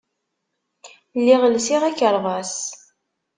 Lliɣ lsiɣ akerbas.